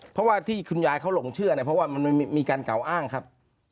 เพราะว่าที่คุณยายเขาหลงเชื่อเนี่ยเพราะว่ามันมีการกล่าวอ้างครับ